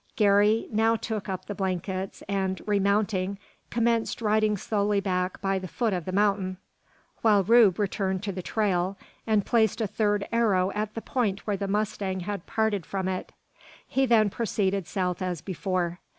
Garey now took up the blankets, and, remounting, commenced riding slowly back by the foot of the mountain; while Rube returned to the trail, and placed a third arrow at the point where the mustang had parted from it. He then proceeded south as before.